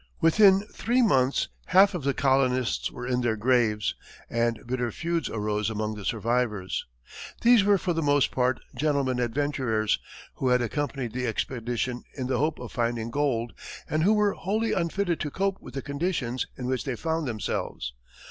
Within three months, half of the colonists were in their graves, and bitter feuds arose among the survivors. These were for the most part "gentlemen adventurers," who had accompanied the expedition in the hope of finding gold, and who were wholly unfitted to cope with the conditions in which they found themselves.